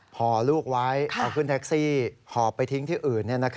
ห่อลูกไว้เอาขึ้นแท็กซี่หอบไปทิ้งที่อื่น